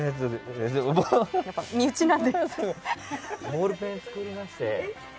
ボールペン作りまして。